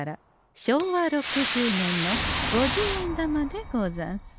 昭和６０年の五十円玉でござんす。